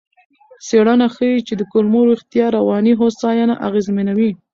څېړنه ښيي چې کولمو روغتیا رواني هوساینه اغېزمنوي.